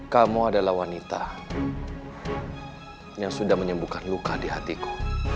kamu adalah wanita yang sudah menyembuhkan luka di hatiku